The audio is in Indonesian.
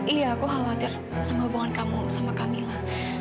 iya aku khawatir sama hubungan kamu sama kamila